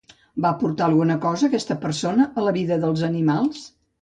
Va aportar alguna cosa, aquesta persona, a la vida dels animals?